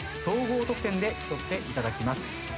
総合得点で競っていただきます。